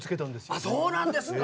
あそうなんですか。